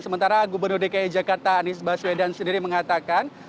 sementara gubernur dki jakarta anies baswedan sendiri mengatakan